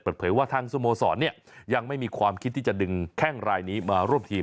เปิดเผยว่าทางสโมสรยังไม่มีความคิดที่จะดึงแข้งรายนี้มาร่วมทีม